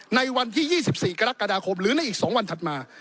ในวันที่๒๔กรกฎาคมหรือในอีก๒วันถัดมา